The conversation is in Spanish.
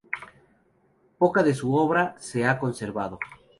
Poca de su obra se ha conservado.